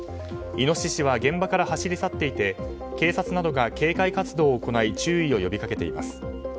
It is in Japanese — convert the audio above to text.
イノシシは現場から走り去っていて警察などが警戒活動を行い注意を呼び掛けています。